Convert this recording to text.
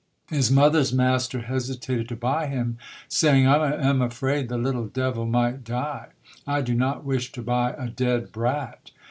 His mother's master hesitated to buy him, saying, "I am afraid the little devil might die. I do not wish to buy a dead brat".